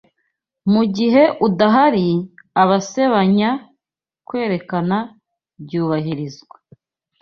Mugihe udahari abasebanya, Kwerekana byubahirizwa